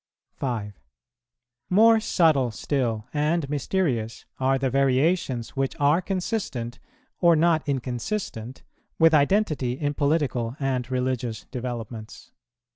5. More subtle still and mysterious are the variations which are consistent or not inconsistent with identity in political and religious developments.